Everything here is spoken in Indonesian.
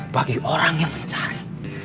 bagi orang yang mencari